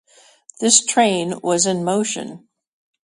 The train was in motion.